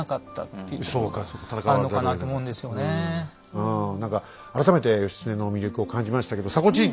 うん何か改めて義経の魅力を感じましたけど迫ちん！